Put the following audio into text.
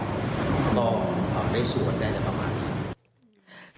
เราได้สวดได้อะไรประมาณนี้